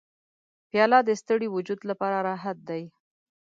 پیاله د ستړي وجود لپاره راحت دی.